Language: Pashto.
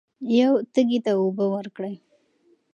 یو تږي ته اوبه ورکړئ.